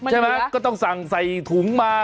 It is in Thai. ก็ต้องสั่งใส่ถุงมา